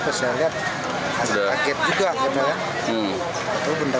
pasta gigi ya itu juga